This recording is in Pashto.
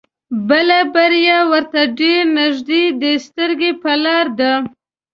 بله بريا ورته ډېر نيږدې سترګې په لار ده.